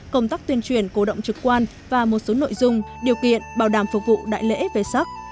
công tác tuyên truyền cố động trực quan và một số nội dung điều kiện bảo đảm phục vụ đại lễ v sac